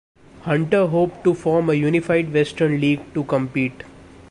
Hunter hoped to form a unified western league to compete.